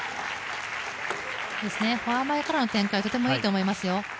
フォア前からの展開はとてもいいと思います。